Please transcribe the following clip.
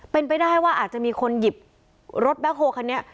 เป็นไปได้ว่าอาจจะมีคนหยิบรถแบ็คโฮคันนี้